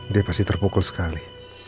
dia pasti terpukul sekali